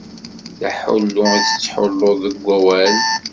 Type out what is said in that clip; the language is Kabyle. D aḥullu i tettḥulluḍ deg wawal.